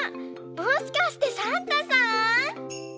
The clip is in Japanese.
もしかしてサンタさん？